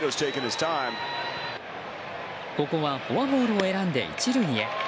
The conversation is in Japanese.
ここはフォアボールを選んで１塁へ。